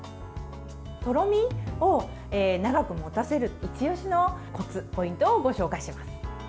とろみを長く持たせるいち押しのコツ、ポイントをご紹介します。